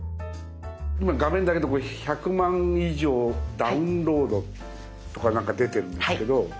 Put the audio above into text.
今画面だけど１００万以上ダウンロードとかなんか出てるんですけど。